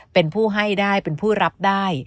เป็นผู้ให้ได้เป็นผู้รับได้